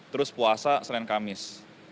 terus puasa selain kamis